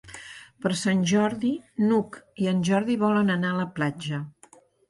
Per Sant Jordi n'Hug i en Jordi volen anar a la platja.